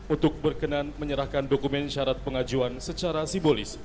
untuk berkenan menyerahkan dokumen syarat pengajuan secara simbolis